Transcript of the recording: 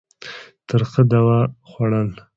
ترخه دوا خوړل.